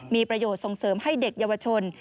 มีประโยชน์ส่งเสริมให้เด็กเยาวชน